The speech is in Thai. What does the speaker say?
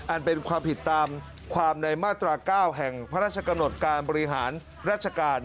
เป็นความผิดตามความในมาตรา๙แห่งพระราชกำหนดการบริหารราชการ